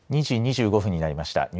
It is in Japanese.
２時２５分になりました。